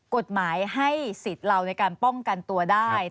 กฎหมายให้สิทธิ์เราในการป้องกันตัวได้